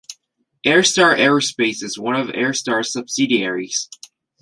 Airstar Aerospace is one of Airstar's subsidiaries.